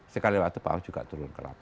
sekali waktu pak ahok juga turun ke lapangan